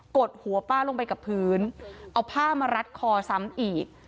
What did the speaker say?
ดหัวป้าลงไปกับพื้นเอาผ้ามารัดคอซ้ำอีก